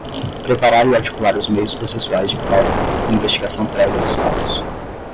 Preparar e articular os meios processuais de prova, com investigação prévia dos fatos.